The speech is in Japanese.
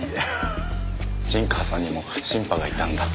陣川さんにもシンパがいたんだ。